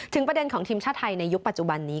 ประเด็นของทีมชาติไทยในยุคปัจจุบันนี้